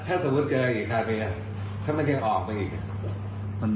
แถมเสมพูดเกิดอีกครั้งในการไปกัน